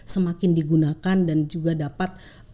semakin digunakan dan juga dapat